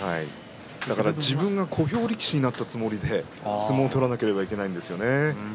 だから自分が小兵力士になったつもりで相撲を取らなければいけないんですよね。